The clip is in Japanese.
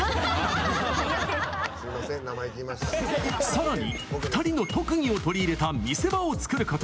さらに２人の特技を取り入れた見せ場を作ることに！